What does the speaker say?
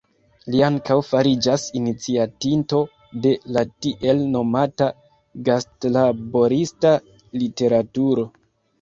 Li ankaŭ fariĝas iniciatinto de la tiel nomata gastlaborista literaturo.